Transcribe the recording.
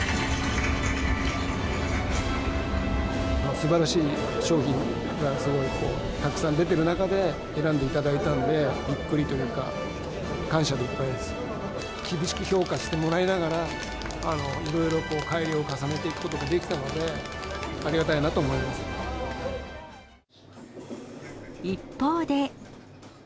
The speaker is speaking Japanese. すばらしい商品がすごい、たくさん出てる中で、選んでいただいたので、びっくりというか、感謝でいっぱいです。厳しく評価してもらいながら、いろいろ改良を重ねていくことができたので、ありがたいなと思い一方で。